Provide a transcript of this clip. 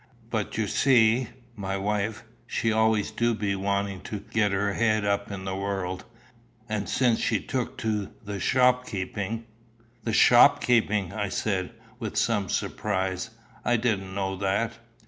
But you see, my wife, she always do be wanting to get her head up in the world; and since she took to the shopkeeping " "The shopkeeping!" I said, with some surprise; "I didn't know that."